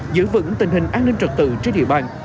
giữ vững tình hình an ninh trật tự trên địa bàn